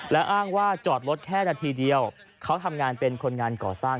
แล้วอ้างว่าจอดรถแค่นาทีเดียวเขาทำงานเป็นคนงานก่อสร้าง